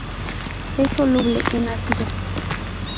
Es soluble en ácidos.